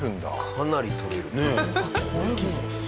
かなりとれる。